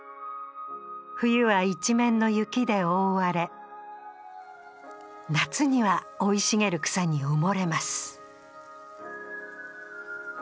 冬は一面の雪で覆われ夏には生い茂る草に埋もれます